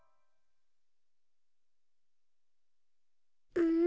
うん？